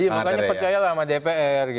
iya makanya percaya lah sama dpr